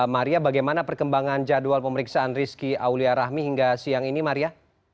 maria bagaimana perkembangan jadwal pemeriksaan rizky aulia rahmi hingga siang ini maria